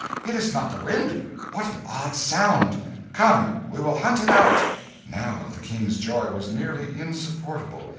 It is not the wind! What an odd sound! Come, we will hunt it out!" Now the King's joy was nearly insupportable.